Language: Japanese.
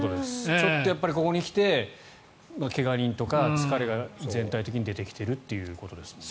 ちょっとここに来て怪我人とか疲れが全体的に出てきているということですよね。